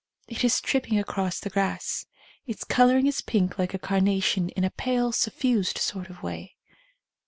It is tripping across the grass. Its colouring is pink like a carnation in a pale, suffused sort of way.